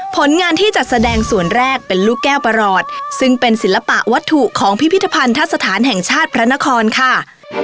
ผลงานที่จัดแสดงส่วนแรกเป็นลูกแก้วประหลอดซึ่งเป็นศิลปะวัตถุของพิพิธภัณฑสถานแห่งชาติพระนครค่ะ